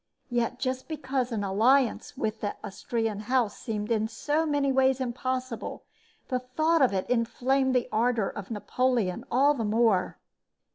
Yet, just because an alliance with the Austrian house seemed in so many ways impossible, the thought of it inflamed the ardor of Napoleon all the more.